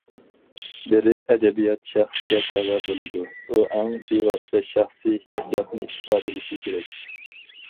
بىرى، ئەدەبىيات شەخسكە تەۋە بولىدۇ، ئۇ ئەڭ بىۋاسىتە شەخسىي ھېسسىياتنى ئىپادىلىشى كېرەك.